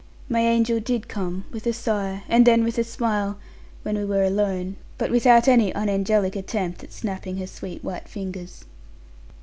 My angel did come, with a sigh, and then with a smile, when we were alone; but without any unangelic attempt at snapping her sweet white fingers.